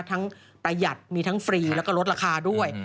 ประหยัดมีทั้งฟรีแล้วก็ลดราคาด้วย